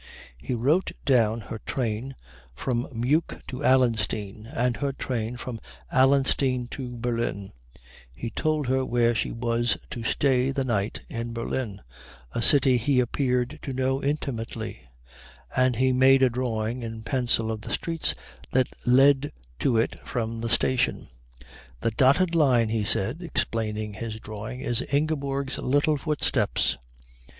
He wrote down her train from Meuk to Allenstein and her train from Allenstein to Berlin; he told her where she was to stay the night in Berlin, a city he appeared to know intimately; and he made a drawing in pencil of the streets that led to it from the station. "The dotted line," he said, explaining his drawing, "is Ingeborg's little footsteps."